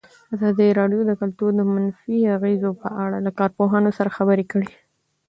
ازادي راډیو د کلتور د منفي اغېزو په اړه له کارپوهانو سره خبرې کړي.